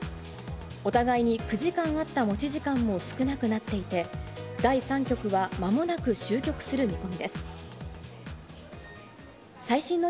お互いに９時間あった持ち時間も、少なくなっていて、第３局はまもなく終局する見込みです。